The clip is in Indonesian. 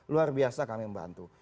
luar biasa kami membantu